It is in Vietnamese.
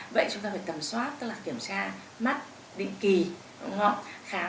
vậy chúng ta phải tầm soát tức là kiểm soát mắt định kỳ ngọng khám